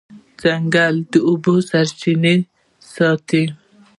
ځنګل د اوبو سرچینې ساتي.